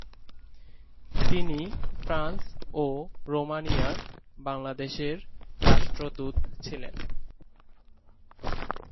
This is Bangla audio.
তিনি ফ্রান্স ও রোমানিয়ার বাংলাদেশের রাষ্ট্রদূত ছিলেন।